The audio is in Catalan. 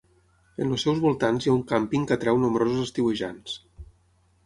En els seus voltants hi ha un càmping que atreu nombrosos estiuejants.